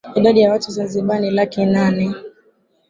Idadi ya watu Zanzibar ni laki nane